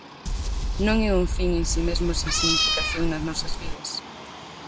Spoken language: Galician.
Non é un fin en si mesmo sen significación nas nosas vidas.